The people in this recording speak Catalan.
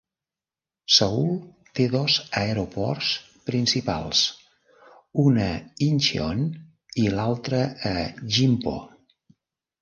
Seül té dos aeroports principals: un a Incheon i l'altre a Gimpo.